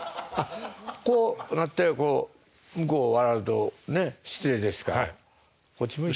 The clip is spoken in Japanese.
こうなってこう向こう笑うと失礼ですからこっち向いて。